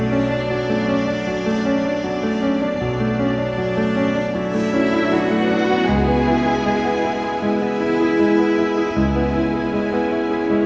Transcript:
ayo kita berpengalaman